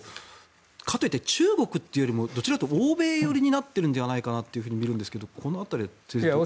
かといって中国というよりもどちらかというと欧米寄りになっているのではないかなと見えるんですけどこの辺りは先生はいかがでしょうか。